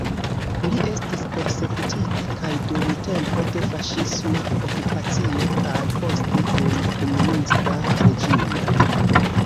Li estis persekutita kaj dum tempo de faŝisma okupacio kaj poste dum komunista reĝimo.